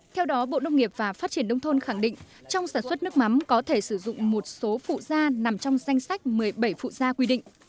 theo đó bộ nông nghiệp và phát triển đông thôn khẳng định trong sản xuất nước mắm có thể sử dụng một số phụ da nằm trong danh sách một mươi bảy phụ da quy định